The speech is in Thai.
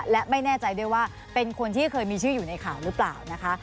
และไม่แน่ใจด้วยว่าเป็นคนที่เคยมีชื่ออยู่ในข่าวหรือเปล่านะคะ